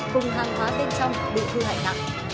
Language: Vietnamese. cùng hàng hóa bên trong bị thư hại nặng